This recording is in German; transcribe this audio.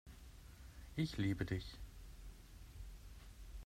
Ich liebe Dich.